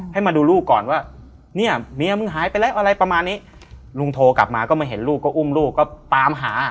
ให้มาดูลูกก่อนว่าเนี่ยเมียมึงหายไปแล้วอะไรประมาณนี้ลุงโทรกลับมาก็มาเห็นลูกก็อุ้มลูกก็ตามหา